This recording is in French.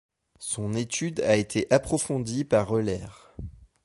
Son étude a été approfondie par Euler.